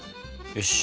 よし。